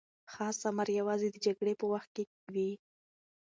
خاص امر یوازې د جګړې په وخت کي وي.